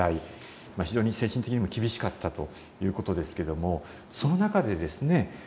非常に精神的にも厳しかったということですけどもその中でですね